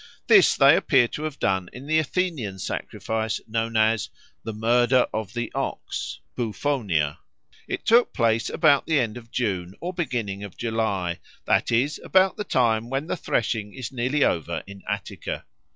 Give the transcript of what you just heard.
This they appear to have done in the Athenian sacrifice known as "the murder of the OX" (bouphonia). It took place about the end of June or beginning of July, that is, about the time when the threshing is nearly over in Attica.